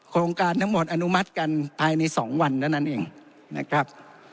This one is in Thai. โครงการทั้งหมดอนุมัติกันภายใน๒วันเท่านั้นเองนะครับ